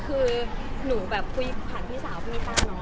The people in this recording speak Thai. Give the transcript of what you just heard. คือจริงนี้คือหนูภาพที่สาวพระมีตานะ